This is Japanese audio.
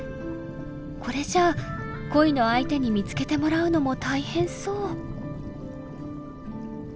これじゃ恋の相手に見つけてもらうのも大変そう。